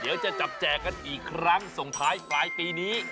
เดี๋ยวจะจับแจกกันอีกครั้งส่งท้ายปลายปีนี้